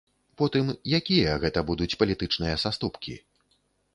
Потым, якія гэта будуць палітычныя саступкі?